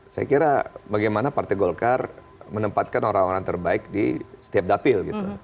saya kira bagaimana partai golkar menempatkan orang orang terbaik di setiap dapil gitu